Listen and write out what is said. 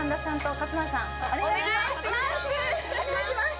お願いします